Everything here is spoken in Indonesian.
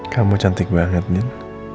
kamu cantik banget din